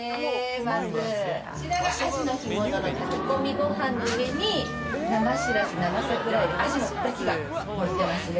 まずこちらがアジの干物の炊き込みご飯の上に生しらす生桜海老アジのたたきがのってますね